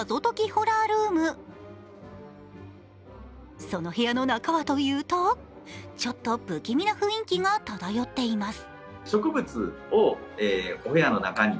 ホラールームその部屋の中はというと、ちょっと不気味な雰囲気が漂っています。